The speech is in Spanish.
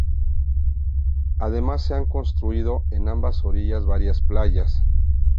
Además se han construido en ambas orillas varias playas.